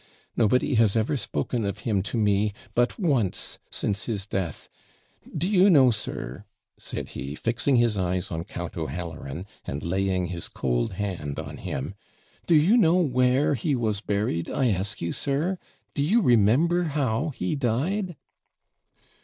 Nobody has ever spoken of him to me but once, since his death! Do you know, sir,' said he, fixing his eyes on Count O'Halloran, and laying his cold hand on him, 'do you know where he was buried, I ask you, sir? do you remember how he died?'